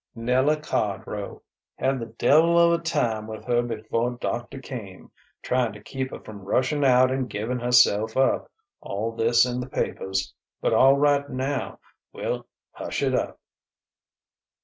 "Nella Cardrow.... Had the devil of a time with her before doctor came ... trying to keep her from rushing out and giving herself up ... all this in the papers.... But all right now: we'll hush it up."